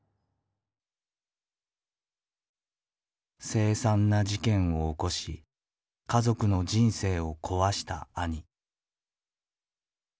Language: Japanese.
凄惨な事件を起こし家族の人生を壊した兄。